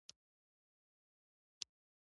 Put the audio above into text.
دومره بېل قومونه په وسلو سمبال دي.